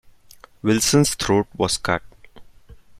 Wilson's throat was cut.